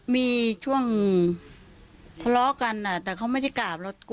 มีช่วงทะเลาะกันแต่เขาไม่ได้กราบ